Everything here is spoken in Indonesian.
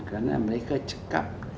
karena mereka cekap